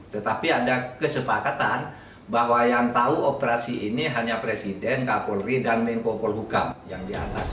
tetapi ada kesepakatan bahwa yang tahu operasi ini hanya presiden kapolri dan menko polhukam yang di atas